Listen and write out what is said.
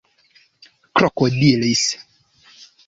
krokodilis